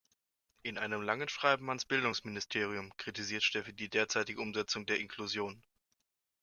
In einem langen Schreiben ans Bildungsministerium kritisiert Steffi die derzeitige Umsetzung der Inklusion.